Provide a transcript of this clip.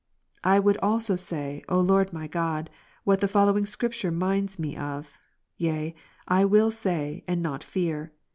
I would also say, O Lord my God, what the following Scripture minds me of; yea, I will say, and not fear.